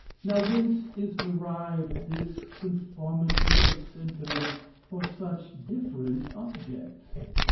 Now whence is derived this conformity of sentiments for such different objects?